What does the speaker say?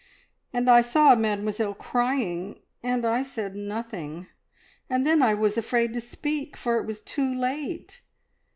And I saw Mademoiselle crying, and I said nothing, and then I was afraid to speak, for it was too late!